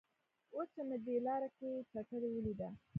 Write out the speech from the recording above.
اوس چې مې دې لاره کې چټلي ولیده.